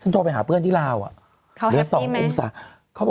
ต้องติดลบ